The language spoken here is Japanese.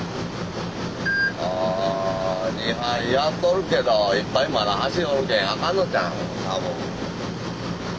「あ２杯やっとるけど１杯まだ走りよるけあかんのちゃうん？多分」。